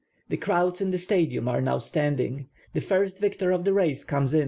The crowds in the Stadium are now standing. The first victor of the race comes in. He is ^^ M.